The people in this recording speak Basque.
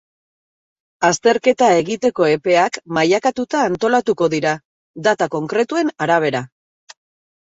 Azterketa egiteko epeak mailakatuta antolatuko dira, data konkretuen arabera.